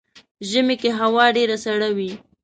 ژمی کې هوا ډیره سړه وي .